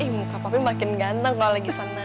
ih muka papi makin ganteng kalau lagi senang